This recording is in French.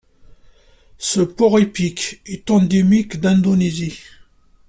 Ce porc-épic est endémique d'Indonésie.